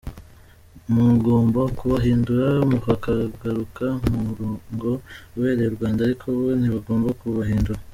Mugomba kubahindura bakagaruka mu murongo ubereye u Rwanda ariko bo ntibagomba kubahindura”.